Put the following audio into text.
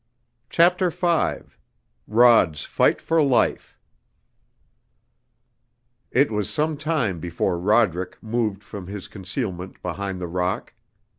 CHAPTER V ROD'S FIGHT FOR LIFE It was some time before Roderick moved from his concealment behind the rock.